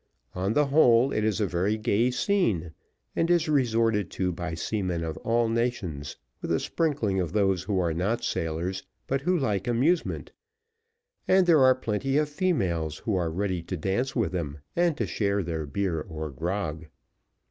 On the whole, it is a very gay scene, and is resorted to by seamen of all nations, with a sprinkling of those who are not sailors, but who like amusement, and there are plenty of females who are ready to dance with them, and to share their beer or grog.